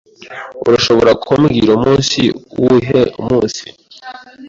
Urashobora kumbwira umunsi uwuhe munsi?